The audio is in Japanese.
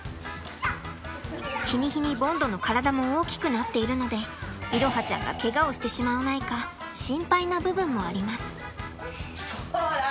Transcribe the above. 日に日にボンドの体も大きくなっているので彩羽ちゃんがケガをしてしまわないか心配な部分もあります。